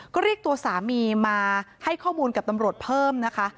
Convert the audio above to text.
ก็เรียกตัวสามีมาให้ข้อมูลกับตำรวจเพิ่มนะคะ